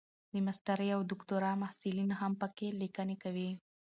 د ماسټرۍ او دوکتورا محصلین هم پکې لیکني کوي.